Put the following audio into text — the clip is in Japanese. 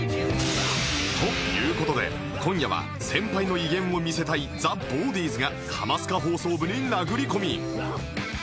という事で今夜は先輩の威厳を見せたい ＴＨＥＢＡＷＤＩＥＳ が『ハマスカ放送部』に殴り込み